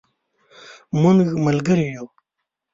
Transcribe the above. مونږ ملګري یو